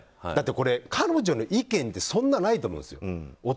だって、これは彼女の意見ってそんなないと思うんですよ。